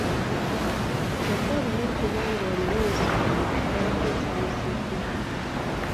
Kyokka olina okuba ng’olina ensonga lwaki osanyusiddwa.